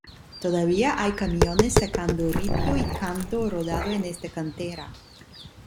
Todavía hay camiones sacando ripio y canto rodado en esta cantera.